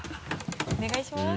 お願いします。